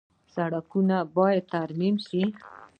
سړکونه باید ترمیم شي